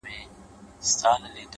ستا د رخسار خبري ډيري ښې دي!!